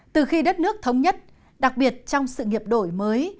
từ khi đất nước thống nhất đặc biệt trong sự nghiệp đổi mới